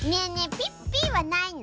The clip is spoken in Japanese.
ピッピッはないの？